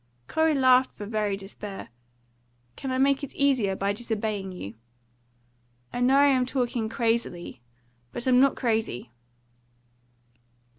Corey laughed for very despair. "Can I make it easier by disobeying you?" "I know I am talking crazily. But I'm not crazy."